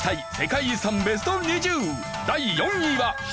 第４位は。